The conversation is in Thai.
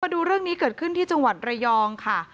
ดูเรื่องนี้เกิดขึ้นที่จังหวัดระยองค่ะ